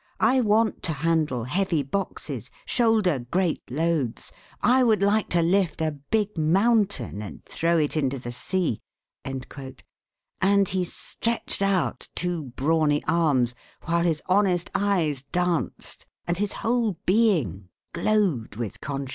I want to handle heavy boxes, shoulder great loads. I would like to lift a big mountain and throw it into the sea," and he stretched out two brawny arms, while his honest eyes danced and his whole being glowed with conscious strength.